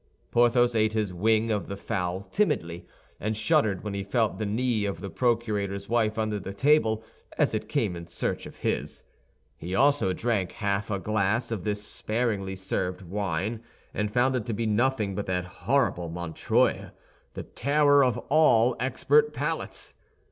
Porthos ate his wing of the fowl timidly, and shuddered when he felt the knee of the procurator's wife under the table, as it came in search of his. He also drank half a glass of this sparingly served wine, and found it to be nothing but that horrible Montreuil—the terror of all expert palates.